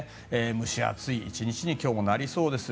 蒸し暑い１日に今日もなりそうです。